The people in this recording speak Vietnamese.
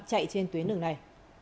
chạy trên tuyến đường này